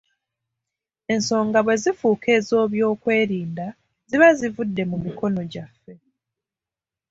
Ensonga bwe zifuuka ez'ebyokwerinda ziba zivudde mu mikono gyaffe.